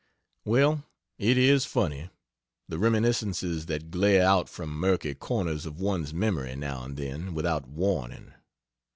Well, it is funny, the reminiscences that glare out from murky corners of one's memory, now and then, without warning.